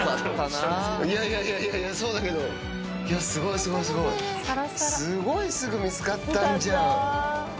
いやいやいやいや、そうだけど、いや、すごい、すごい、すごいすぐ見つかったんじゃん。